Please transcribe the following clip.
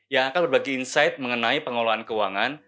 yang akan berbagi insight mengenai pengelolaan keuangan